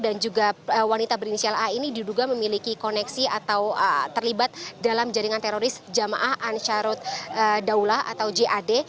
dan juga wanita berinisial a ini diduga memiliki koneksi atau terlibat dalam jaringan teroris jamaah ansarut daulah atau jad